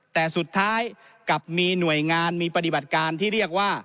แต่สุดท้ายกลับมีหน่วยงานมีปฏิบัติการที่เรียกว่า